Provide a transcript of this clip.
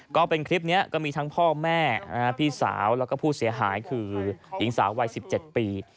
ก็เป็นคลิปนี้ก็มีทั้งพ่อแม่พี่สาวแล้วก็ผู้เสียหายคือหญิงสาววัย๑๗ปี